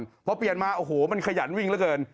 เพราะเปลี่ยนมาโอ้โหมันขยันวิ่งแล้วเกิน